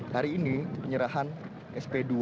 hari ini penyerahan sp dua